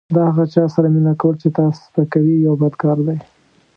د هغه چا سره مینه کول چې تا سپکوي یو بد کار دی.